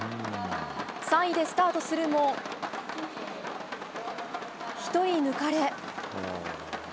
３位でスタートするも１人抜かれ。